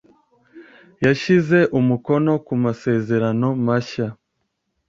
yashyize umukono ku masezerano mashya